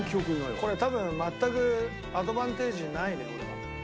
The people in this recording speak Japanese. これ多分全くアドバンテージにないね俺は。